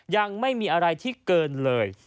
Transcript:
ยังไม่มีอะไรที่เกินเลย